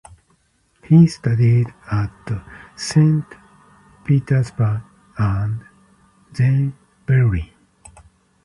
He studied at Saint Petersburg and then Berlin.